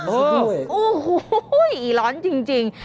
โอ้โหอีร้อนจริง